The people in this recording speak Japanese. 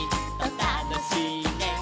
「たのしいね」